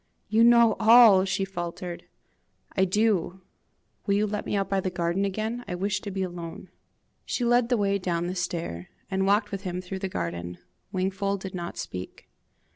"You know all!" she faltered. "I do. Will you let me out by the garden again? I wish to be alone." She led the way down the stair, and walked with him through the garden. Wingfold did not speak.